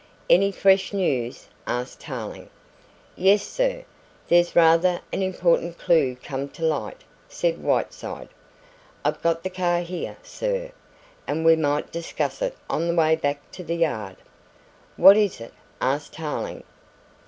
"Any fresh news?" asked Tarling. "Yes, sir, there's rather an important clue come to light," said Whiteside. "I've got the car here, sir, and we might discuss it on the way back to the Yard." "What is it?" asked Tarling.